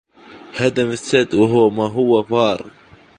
هدم السد وهو ما هو فار